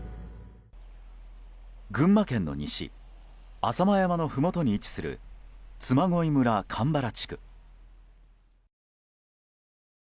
群馬県の西浅間山のふもとに位置する嬬恋村鎌原地区。